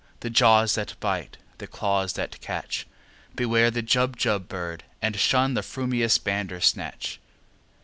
The jaws that bite, the claws that catch! Beware the Jubjub bird, and shun The frumious Bandersnatch!"